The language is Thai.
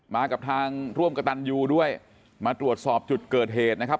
มากับทางร่วมกับตันยูด้วยมาตรวจสอบจุดเกิดเหตุนะครับ